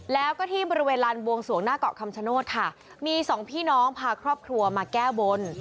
แล้วก็ที่บริเวณลานบวงสวงหน้าเกาะคำชโนธค่ะมีสองพี่น้องพาครอบครัวมาแก้บน